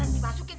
dimasukin ke coa